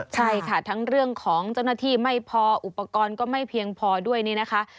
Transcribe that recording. ใช่ค่ะทั้งเรื่องของเจ้าหน้าที่ไม่พออุปกรณ์ก็ไม่เพียงพอด้วยนี่นะคะ